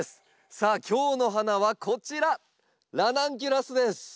さあ今日の花はこちら「ラナンキュラス」です。